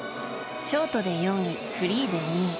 ショートで４位、フリーで２位。